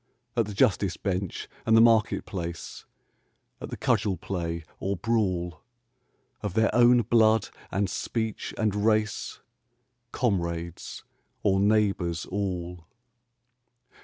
At the justice bench and the market place, At the cudgel play or brawl, Of their own blood and speech and race, Comrades or neighbours all